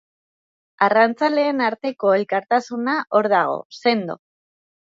Arrantzaleen arteko elkartasuna hor dago, sendo.